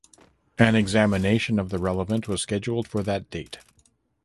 An examination of the relevant was scheduled for that date.